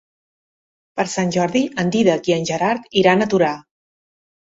Per Sant Jordi en Dídac i en Gerard iran a Torà.